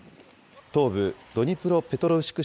東部ドニプロペトロウシク